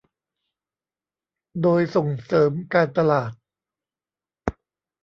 โดยส่งเสริมการตลาด